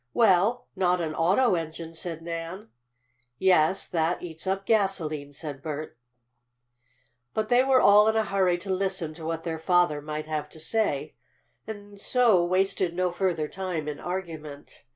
"Well, not an auto engine," said Nan. "Yes, that eats up gasolene," said Bert. But they were all in a hurry to listen to what their father might have to say, and so wasted no further time in argument.